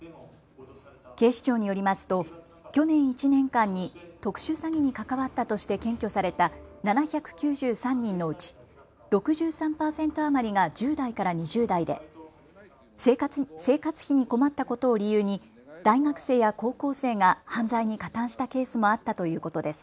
警視庁によりますと去年１年間に特殊詐欺に関わったとして検挙された７９３人のうち６３％余りが１０代から２０代で生活費に困ったことを理由に大学生や高校生が犯罪に加担したケースもあったということです。